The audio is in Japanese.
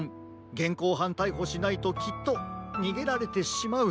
げんこうはんたいほしないときっとにげられてしまう。